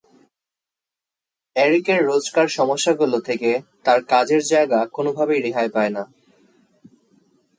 এরিকের রোজকার সমস্যাগুলো থেকে তার কাজের জায়গা কোনোভাবেই রেহাই পায় না।